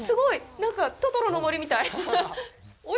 なんかトトロの森みたい。